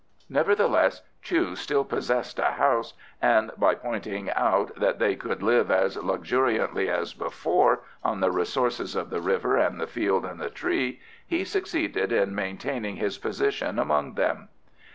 Nevertheless Chu still possessed a house, and by pointing out that they could live as luxuriantly as before on the resources of the river and the field and the tree, he succeeded in maintaining his position among them.